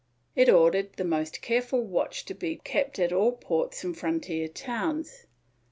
It ordered the most careful watch to be kept at all ports and frontier towns.